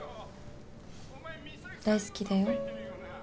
大好きだよ。